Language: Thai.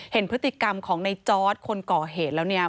เห็นพฤติกรรมของในจอร์ดคนก่อเหตุแล้วเนี่ย